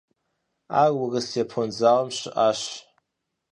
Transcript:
Ар Урыс-Япон зауэм щыӏащ.